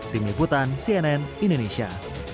tim liputan cnn indonesia